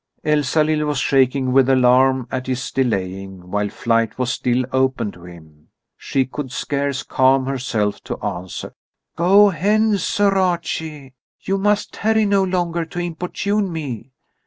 Elsalill was shaking with alarm at his delaying while flight was still open to him. She could scarce calm herself to answer: "Go hence, Sir Archie! You must tarry no longer to importune me."